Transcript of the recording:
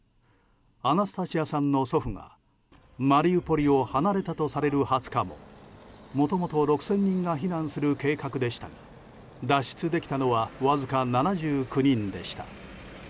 アナスタシアさんの祖父がマリウポリを離れたとされる２０日も、もともと６０００人が避難する計画でしたが脱出できたのはわずか７９人でした。